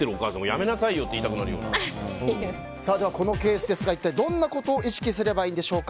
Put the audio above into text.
やめなさいよってこのケースですが一体どんなことを意識すればいいんでしょうか。